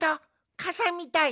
かさみたい！